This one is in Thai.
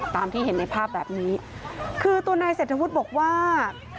ตามที่เห็นในภาพแบบนี้คือตัวนายเศรษฐวุฒิบอกว่า